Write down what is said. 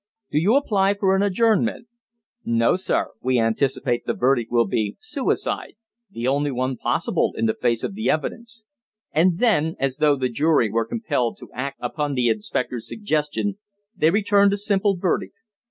"Do you apply for an adjournment?" "No, sir. We anticipate that the verdict will be suicide the only one possible in face of the evidence." And then, as though the jury were compelled to act upon the inspector's suggestion, they returned a simple verdict.